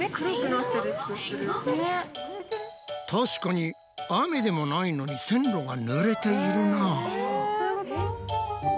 確かに雨でもないのに線路がぬれているな。